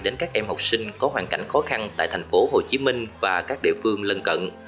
đến các em học sinh có hoàn cảnh khó khăn tại thành phố hồ chí minh và các địa phương lân cận